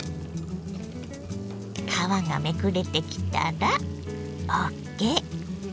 皮がめくれてきたらＯＫ！